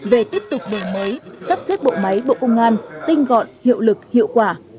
về tiếp tục bộ máy sắp xếp bộ máy bộ công an tinh gọn hiệu lực hiệu quả